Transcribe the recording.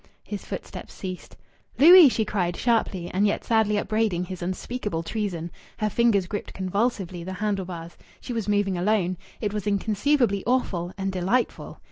His footsteps ceased. "Louis!" she cried, sharply and yet sadly upbraiding his unspeakable treason. Her fingers gripped convulsively the handle bars. She was moving alone. It was inconceivably awful and delightful.